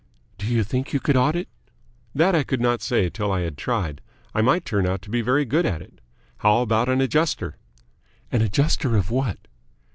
"Do you think you could audit?" "That I could not say till I had tried. I might turn out to be very good at it. How about an Adjuster?" "An adjuster of what?"